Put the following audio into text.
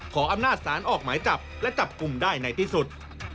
ขออำนาจศาลออกหมายจับและจับกลุ่มได้ในที่สุด